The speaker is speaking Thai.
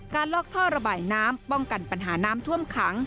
ลอกท่อระบายน้ำป้องกันปัญหาน้ำท่วมขัง